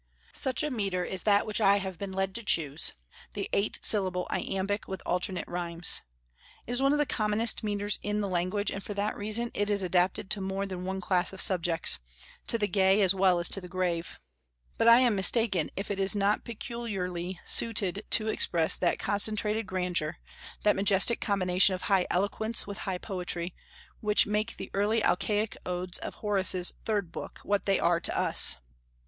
Such a metre is that which I have been led to choose, the eight syllable iambic with alternate rhymes. It is one of the commonest metres in the language, and for that reason it is adapted to more than one class of subjects, to the gay as well as to the grave. But I am mistaken if it is not peculiarly suited to express that concentrated grandeur, that majestic combination of high eloquence with high poetry, which make the early Alcaic Odes of Horace's Third Book what they are to us.